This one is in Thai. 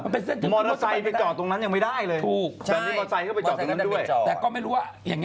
มอเตอร์ไซค์ไปจอตรงนั้นยังไม่ได้เลย